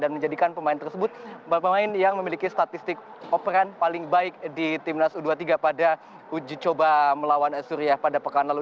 dan menjadikan pemain tersebut pemain yang memiliki statistik operan paling baik di timnas u dua puluh tiga pada uji coba melawan surya pada pekan lalu